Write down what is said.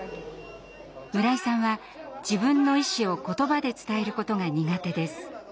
村井さんは自分の意思を言葉で伝えることが苦手です。